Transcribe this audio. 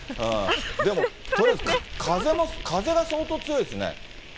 でもとりあえず風が相当強いですね。